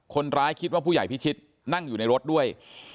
คิดว่าผู้ใหญ่พิชิตนั่งอยู่ในรถด้วย